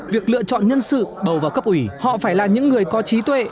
việc lựa chọn nhân sự bầu vào cấp ủy họ phải là những người có trí tuệ